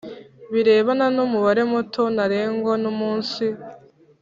birebana n umubare muto ntarengwa n umunsi